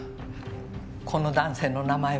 この男性の名前は？